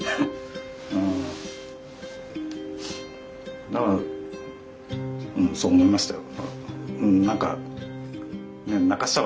うんだからうんそう思いましたよ。